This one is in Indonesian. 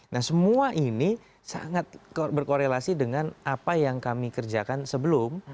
nah semua ini sangat berkorelasi dengan apa yang kami kerjakan sebelum